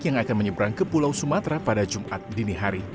yang akan menyeberang ke pulau sumatera pada jumat dini hari